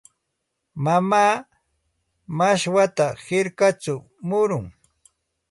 Mamaa mashwata hirkachaw murun.